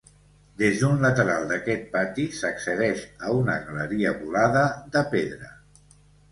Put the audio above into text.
Des d'un lateral d'aquest pati, s'accedeix a una galeria volada de pedra.